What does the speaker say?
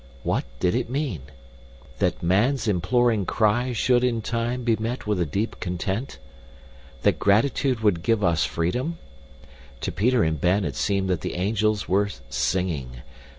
What did it mean? That man's imploring cry should in time be met with a deep content? That gratitude would give us freedom? To Peter and Ben it seemed that the angels were singing.